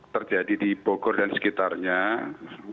terjadi di bogor dan sekitar jawa